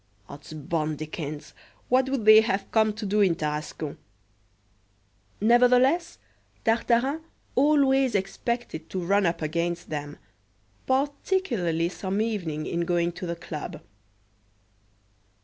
Odsboddikins! what would they have come to do in Tarascon? Nevertheless Tartarin always expected to run up against them, particularly some evening in going to the club.